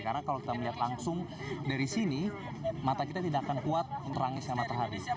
karena kalau kita melihat langsung dari sini mata kita tidak akan kuat menerangkan matahari